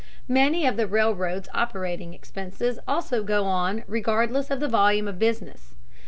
Many of the railroad's operating expenses also go on regardless of the volume of business.